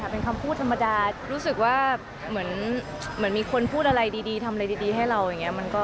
เป็นคำพูดธรรมดารู้สึกว่าเหมือนมีคนพูดอะไรดีทำอะไรดีให้เราอย่างนี้